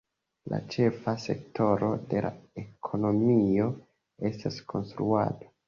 La ĉefa sektoro de la ekonomio estas konstruado.